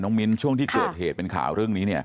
มิ้นช่วงที่เกิดเหตุเป็นข่าวเรื่องนี้เนี่ย